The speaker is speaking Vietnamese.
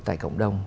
tại cộng đồng